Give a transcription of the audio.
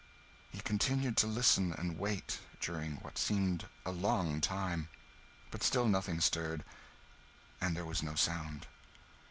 He continued to listen, and wait, during what seemed a long time, but still nothing stirred, and there was no sound.